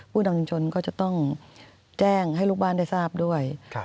นำชุมชนก็จะต้องแจ้งให้ลูกบ้านได้ทราบด้วย